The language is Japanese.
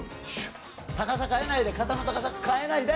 高さ変えないで、肩の高さ変えないで！